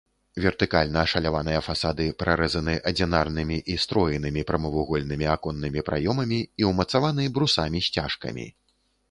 Вертыкальна ашаляваныя фасады прарэзаны адзінарнымі і строенымі прамавугольнымі аконнымі праёмамі і ўмацаваны брусамі-сцяжкамі.